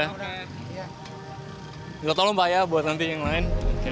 minta tolong pak ya buat nanti yang lain